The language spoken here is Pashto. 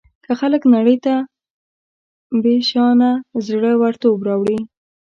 که خلک نړۍ ته بېشانه زړه ورتوب راوړي.